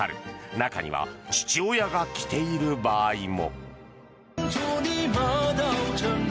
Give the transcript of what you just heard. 中には父親が着ている場合も。